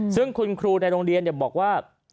ซึ่งคุณครูในโรงเรียนบอกว่า